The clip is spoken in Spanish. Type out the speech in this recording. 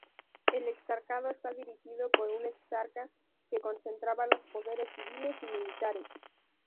El exarcado está dirigido por un exarca que concentraba los poderes civiles y militares.